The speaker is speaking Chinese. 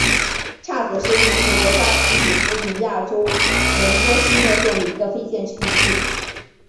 叉子是位于美国加利福尼亚州门多西诺县的一个非建制地区。